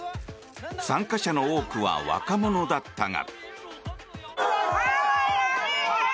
参加者の多くは若者だったが。